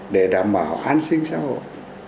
để đảm bảo an sinh xã hội